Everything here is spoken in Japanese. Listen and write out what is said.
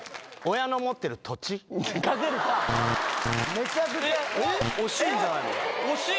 親の持ってる土地惜しい。